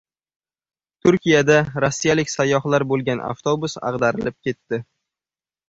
Turkiyada rossiyalik sayyohlar bo‘lgan avtobus ag‘darilib ketdi